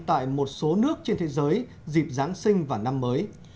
tại một số nước trên thế giới dịp giáng sinh và năm mới